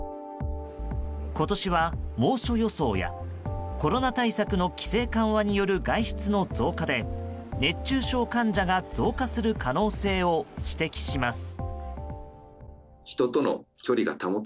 今年は、猛暑予想やコロナの規制緩和による外出の増加で熱中症患者が増加する可能性を指摘します。